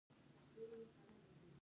ذوق د متن څېړونکي لومړۍ ځانګړنه ده.